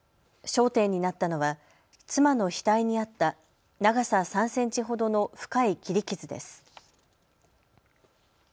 焦点になったのは妻の額にあった長さ３センチほどの深い切り傷です。